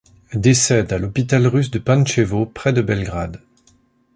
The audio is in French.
Décède à l’hôpital russe de Pančevo, près de Belgrade.